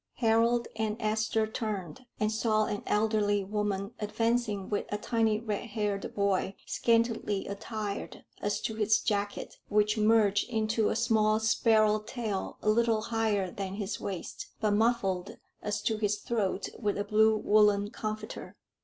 Harold and Esther turned, and saw an elderly woman advancing with a tiny red haired boy, scantily attired as to his jacket, which merged into a small sparrow tail a little higher than his waist, but muffled as to his throat with a blue woollen comforter.